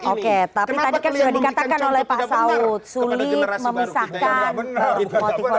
kenapa kalian memulihkan contoh tidak benar kepada generasi baru kita yang